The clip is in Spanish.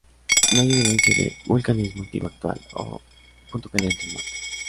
No hay evidencia de vulcanismo activo actual o punto caliente en Marte.